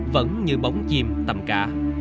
vẫn như bóng diêm tầm cả